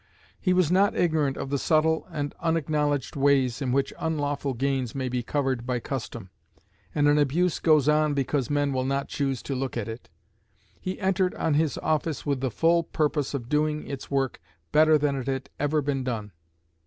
He was not ignorant of the subtle and unacknowledged ways in which unlawful gains may be covered by custom, and an abuse goes on because men will not choose to look at it. He entered on his office with the full purpose of doing its work better than it had ever been done.